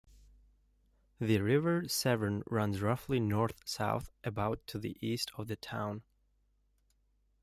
The River Severn runs roughly north-south about to the east of the town.